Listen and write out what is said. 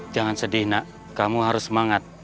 jangan sedih nak kamu harus semangat